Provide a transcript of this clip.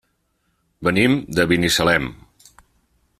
Venim de Binissalem.